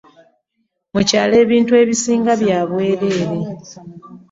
Mu kyalo ebintu ebisinga bya bwereere.